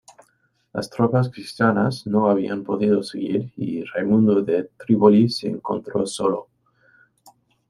Las tropas cristianas no habían podido seguir y Raimundo de Trípoli se encontró solo.